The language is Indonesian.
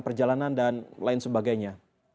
perjalanan dan lain sebagainya